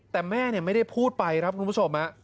แต่แม่ไม่ได้พูดไปครับคุณผู้ชม